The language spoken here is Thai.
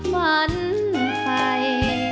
วันไฟ